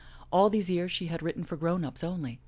All these years she had written for grown ups only.